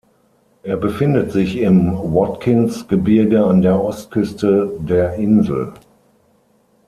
Er befindet sich im Watkins-Gebirge an der Ostküste der Insel.